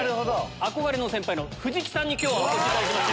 憧れの先輩の藤木さんに今日はお越しいただきました。